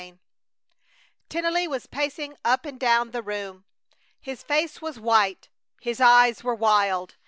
CHAPTER XXXIV Tennelly was pacing up and down the room. His face was white, his eyes were wild.